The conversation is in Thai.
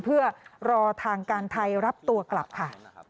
เพื่อรอทางการไทยรับตัวกลับค่ะ